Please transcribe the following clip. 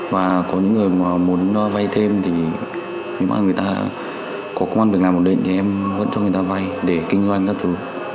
và có những người mà muốn vay thêm thì nếu mà người ta có công an việc làm ổn định thì em vẫn cho người ta vay để kinh doanh các thứ